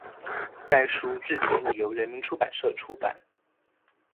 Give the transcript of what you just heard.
该书日前已由人民出版社出版